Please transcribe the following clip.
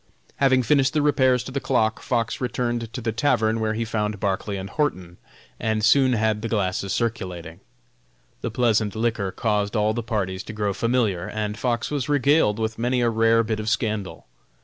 Having finished the repairs to the clock, Fox returned to the tavern, where he found Barclay and Horton, and soon had the glasses circulating. The pleasant liquor caused all the parties to grow familiar, and Fox was regaled with many a rare bit of scandal.